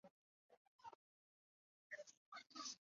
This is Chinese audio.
台湾汽车客运公司